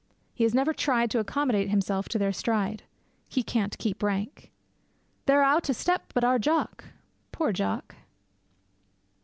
He has never tried to accommodate himself to their stride. He can't keep rank. They're a' oot o' step but our Jock! Poor Jock!